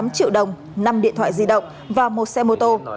một trăm hai mươi tám triệu đồng năm điện thoại di động và một xe mô tô